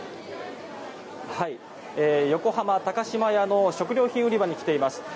横浜高島屋の食料品売り場に来ています。